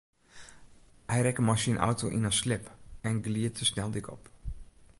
Hy rekke mei syn auto yn in slip en glied de sneldyk op.